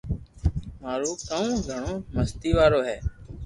مارو ڪانو گھڻو مستي وارو ھي